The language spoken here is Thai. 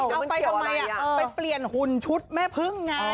เอาไปทำไมไปเปลี่ยนหุ่นชุดแม่พึ่งไง